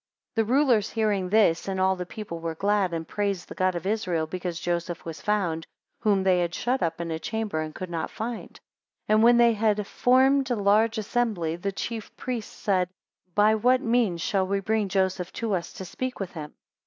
6 The rulers hearing this, and all the people, were glad, and praised the God of Israel, because Joseph was found, whom they had shut up in a chamber, and could not find. 7 And when they had formed a large assembly, the chief priests said, By what means shall we bring Joseph to us to speak with him?